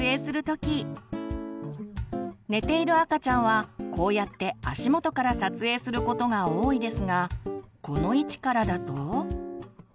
寝ている赤ちゃんはこうやって足元から撮影することが多いですがこの位置からだと。